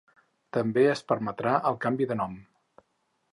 També es permetrà el canvi de nom.